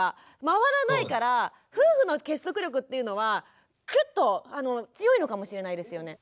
回らないから夫婦の結束力っていうのはクッと強いのかもしれないですよね。